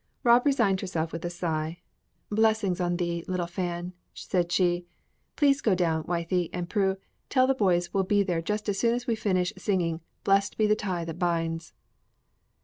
Rob resigned herself with a sigh. "Blessings on thee, little Fan," she said. "Please go down, Wythie and Prue. Tell the boys we'll be there just as soon as we finish singing 'Blest be the tie that binds.'"